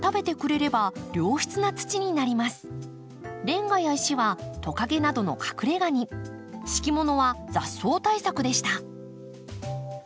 レンガや石はトカゲなどの隠れがに敷物は雑草対策でした。